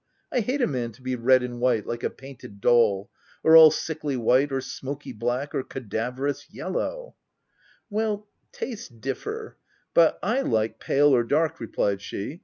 I hate a man to be red and white, like a painted doll — or all sickly white, or smoky black, or cadaverous yellow \"" Well, tastes differ — but 1 like pale or dark," replied she.